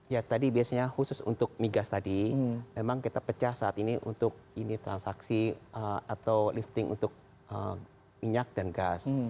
ya tadi biasanya khusus untuk migas tadi memang kita pecah saat ini untuk ini transaksi atau lifting untuk minyak dan gas